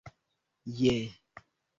je